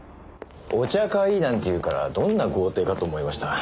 お茶会なんて言うからどんな豪邸かと思いました。